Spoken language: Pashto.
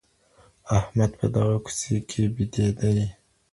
احمد په دغه کوڅې کي بېدېدی.